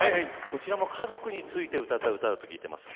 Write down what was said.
こちらも家族について歌った歌だと聞いてます。